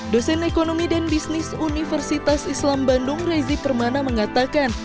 dosen ekonomi dan bisnis universitas islam bandung rezi permana mengatakan